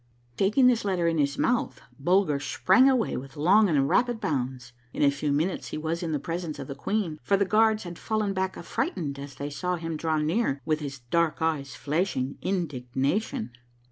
" Taking this letter in his mouth, Bulger sprang away with long and rapid bounds. In a few minutes he was in the presence of the queen, for the guards had fallen back affrighted as they saw him draw near with his dark eyes flashing indignation.